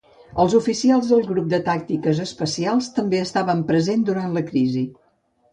Els oficials del Grup de Tàctiques Especials també estaven present durant la crisi.